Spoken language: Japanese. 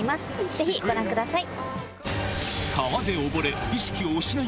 ぜひご覧ください。